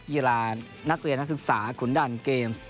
กีฬานักเรียนนักศึกษาขุนด่านเกมส์